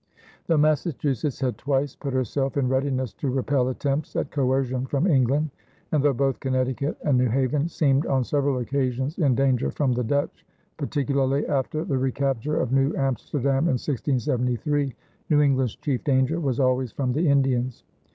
Though Massachusetts had twice put herself in readiness to repel attempts at coercion from England, and though both Connecticut and New Haven seemed on several occasions in danger from the Dutch, particularly after the recapture of New Amsterdam in 1673, New England's chief danger was always from the Indians.